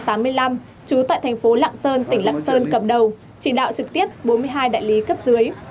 trú tại thành phố lạng sơn tỉnh lạng sơn cầm đầu chỉ đạo trực tiếp bốn mươi hai đại lý cấp dưới